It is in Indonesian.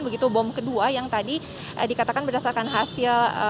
begitu bom kedua yang tadi dikatakan berdasarkan hasil